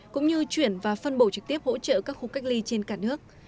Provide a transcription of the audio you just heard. cũng như chuyển và phân bổ trực tiếp hỗ trợ các khu cách ly trên cả nước